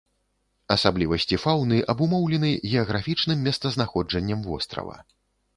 Асаблівасці фаўны абумоўлены геаграфічным месцазнаходжаннем вострава.